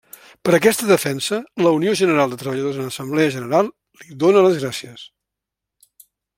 Per aquesta defensa, la Unió General de Treballadors en assemblea general li dóna les gràcies.